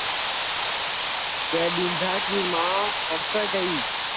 کہ ٻِندھا کی کڑسے گئی